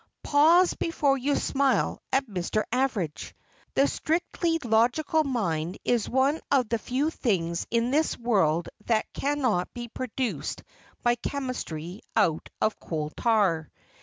Pause before you smile at Mr. Average. The strictly logical mind is one of the few things in this world that cannot be produced by Chemistry out of Coal tar.